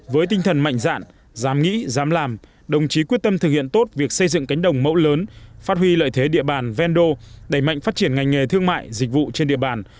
với tinh thần mạnh dạn dám nghĩ dám làm đồng chí quyết tâm thực hiện tốt việc xây dựng cánh đồng mẫu lớn phát huy lợi thế địa bàn vendo đẩy mạnh phát triển ngành nghề thương mại dịch vụ trên địa bàn